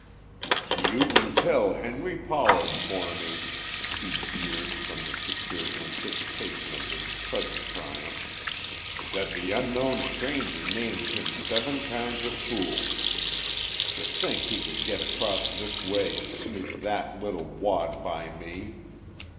"You can tell Henry Pollard for me," he jeered from the secure anticipation of his present triumph, "that the unknown stranger names him seven kinds of fool. To think he could get across this way and sneak that little wad by me!